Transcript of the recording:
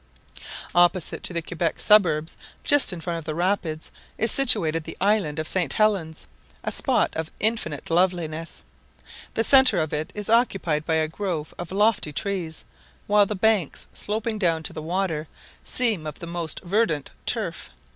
Opposite to the Quebec suburbs, just in front of the rapids, is situated the island of St. Helens, a spot of infinite loveliness. The centre of it is occupied by a grove of lofty trees, while the banks, sloping down to the water, seem of the most verdant turf.